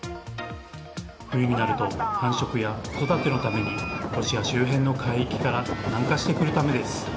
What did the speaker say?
冬になると繁殖や子育てのためにロシア周辺の海域から南下してくるためです。